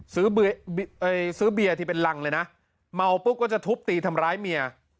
ซื้อเบียเอ่ยซื้อเบียที่เป็นรังเลยน่ะเมาปุ๊บก็จะทุบตีทำร้ายเมีย